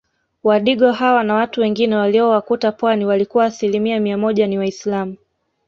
Wadigo hawa na watu wengine waliowakuta pwani walikuwa asilimia mia moja ni waislamu